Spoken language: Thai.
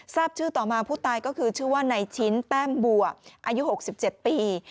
ทราบชื่อต่อมาผู้ตายก็คือชื่อว่าในชิ้นแต้มบัวอายุ๖๗ปี